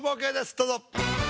どうぞ。